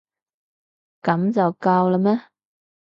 噉就夠喇咩？